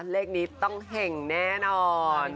เลขนี้ต้องเห่งแน่นอน